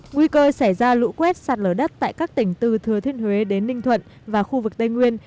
nguy cơ xảy ra lũ quét sạt lở đất tại các tỉnh từ thừa thiên huế đến ninh thuận và khu vực tây nguyên